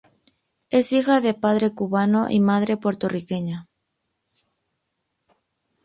Es hija de padre cubano y madre puertorriqueña.